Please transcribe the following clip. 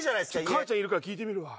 母ちゃんいるから聞いてみるわ。